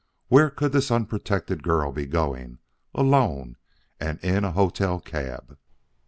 Where could this unprotected girl be going, alone and in a hotel cab?